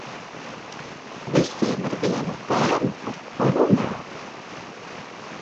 Visiem ir viena tēma par ko runāt.